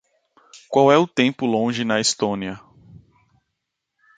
Qual é o tempo longe na Estónia?